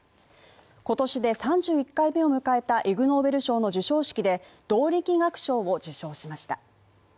今年で３１回目を迎えたイグ・ノーベル賞の授賞式で動力学賞を受賞しました。